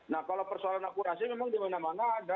nah kalau persoalan akurasi memang dimana mana ada